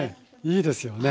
いいですよね。